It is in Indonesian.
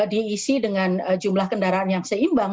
jadi ini diisi dengan jumlah kendaraan yang seimbang